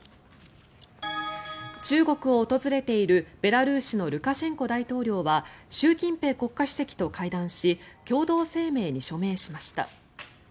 中国を訪れているベラルーシのルカシェンコ大統領は習近平国家主席と会談し共同声明に署名しました。